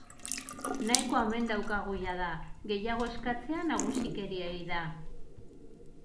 Nahikoa omen daukagu jada, gehiago eskatzea nagusikeria ei da.